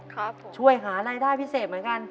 ครับผมช่วยหารายได้พิเศษเหมือนกัน